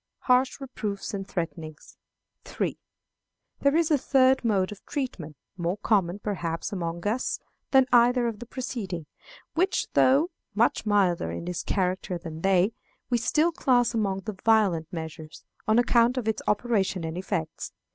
Harsh Reproofs and Threatenings. 3. There is a third mode of treatment, more common, perhaps, among us than either of the preceding, which, though much milder in its character than they, we still class among the violent measures, on account of its operation and effects.